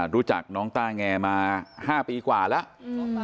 รู้จักน้องต้าแงมา๕ปีกว่าแล้ว